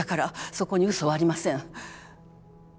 そこにうそはありません。